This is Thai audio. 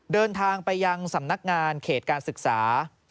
เดินทางไปยังสำนักงานเขตการศึกษา